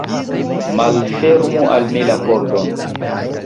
Malfermu al mi la pordon!